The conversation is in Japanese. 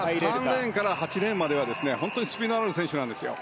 ３レーンから８レーンまでスピードのある選手なんですよ。